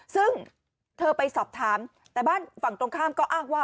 ซึ่งเธอไปสอบถามแต่บ้านฝั่งตรงข้ามก็อ้างว่า